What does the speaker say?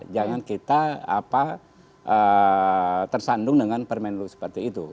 jangan kita tersandung dengan permen lu seperti itu